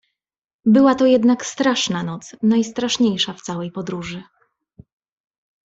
Była to jednak straszna noc — najstraszniejsza w całej podróży.